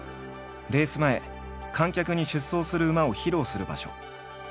レース前観客に出走する馬を披露する場所。